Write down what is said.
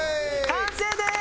完成です！